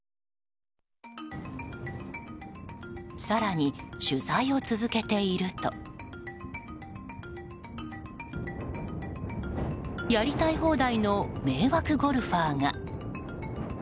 更に、取材を続けているとやりたい放題の迷惑ゴルファーが。